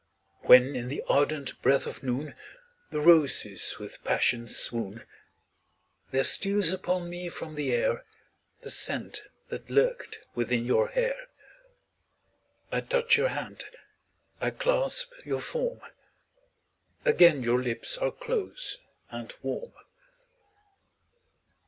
When, in the ardent breath of noon, The roses with passion swoon; There steals upon me from the air The scent that lurked within your hair; I touch your hand, I clasp your form Again your lips are close and warm.